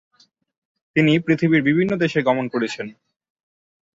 তিনি পৃথিবীর বিভিন্ন দেশে গমন করেছেন।